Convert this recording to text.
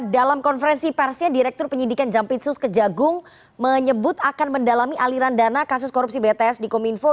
dalam konferensi persnya direktur penyidikan jampitsus kejagung menyebut akan mendalami aliran dana kasus korupsi bts di kominfo